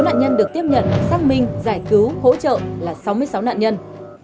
sáu nạn nhân được tiếp nhận xác minh giải cứu hỗ trợ là sáu mươi sáu nạn nhân